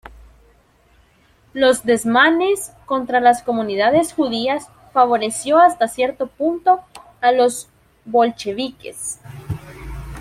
Los desmanes contra las comunidades judías favoreció hasta cierto punto a los bolcheviques.